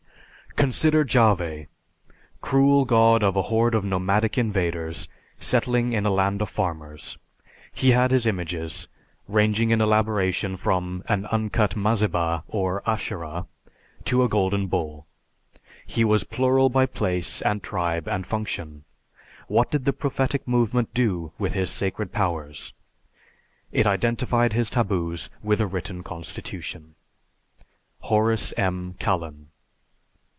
_Consider Jahveh. Cruel god of a horde of nomadic invaders settling in a land of farmers, he had his images, ranging in elaboration from an uncut mazzebah or asherah, to a golden bull. He was plural by place and tribe and function. What did the prophetic movement do with his sacred powers? It identified his taboos with a written constitution_. HORACE M. KALLEN.